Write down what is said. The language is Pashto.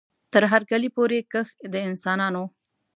تر هر کلي پوري کښ د انسانانو